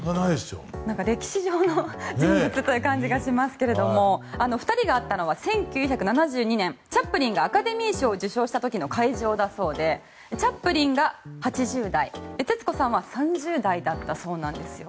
歴史上の人物という感じがしますけれども２人が会ったのは１９７２年チャップリンがアカデミー賞を受賞した時の会場だそうでチャップリンが８０代で徹子さんは３０代だったそうなんですよ。